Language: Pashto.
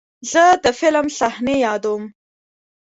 زه د فلم صحنې یادوم.